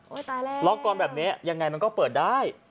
ตายแล้วล็อกกอนแบบนี้ยังไงมันก็เปิดได้